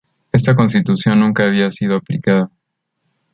Esta constitución nunca había sido aplicada.